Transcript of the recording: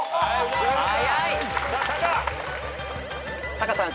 タカさん